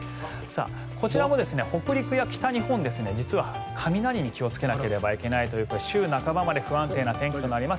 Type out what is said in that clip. こちらも北陸や北日本実は雷に気をつけなければいけないということで週半ばまで不安定な天気となります。